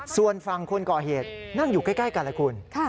ส่วนฝั่งคนก่อเหตุนั่งอยู่ใกล้กันเลยคุณ